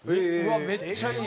めっちゃいい。